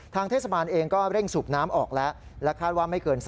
ทางเทศบาลเองก็เร่งสูบน้ำออกแล้ว